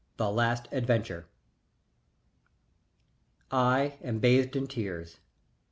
XII THE LAST ADVENTURE I am bathed in tears.